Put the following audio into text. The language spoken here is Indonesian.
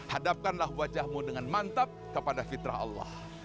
hadapkanlah wajahmu dengan mantap kepada fitrah allah